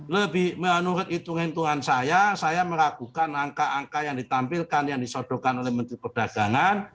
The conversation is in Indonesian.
lebih menurut hitung hitungan saya saya meragukan angka angka yang ditampilkan yang disodokan oleh menteri perdagangan